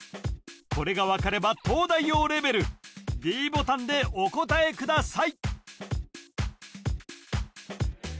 これが分かれば東大王レベルｄボタンでお答えください